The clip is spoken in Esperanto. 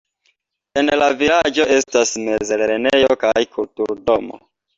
En la vilaĝo estas mezlernejo kaj kultur-domo.